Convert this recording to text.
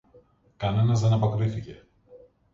Κανένας δεν αποκρίθηκε.